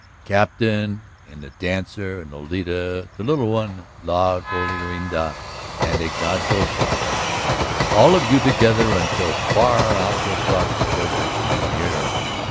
Captain and the Dancer and Lolita, the Little One, La Golondrina, and Ignacio Chavez, all of you together until far out across the desert men hear.